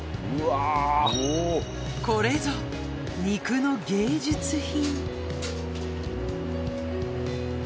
これぞ肉の芸術品